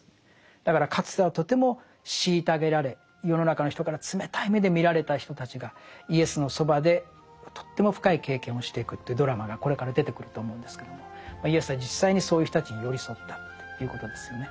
だからかつてはとても虐げられ世の中の人から冷たい目で見られた人たちがイエスのそばでとっても深い経験をしていくというドラマがこれから出てくると思うんですけどもイエスは実際にそういう人たちに寄り添ったということですよね。